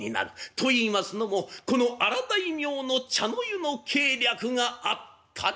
といいますのもこの荒大名の茶の湯の計略があったればこそ。